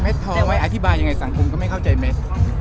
ทองไว้อธิบายยังไงสังคมก็ไม่เข้าใจเม็ด